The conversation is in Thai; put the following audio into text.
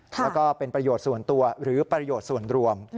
แล้วก็เป็นประโยชน์ส่วนตัวหรือประโยชน์ส่วนรวม